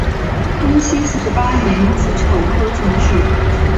康熙四十八年己丑科进士。